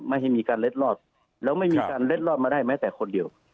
ให้มีการเล็ดรอดแล้วไม่มีการเล็ดรอดมาได้แม้แต่คนเดียว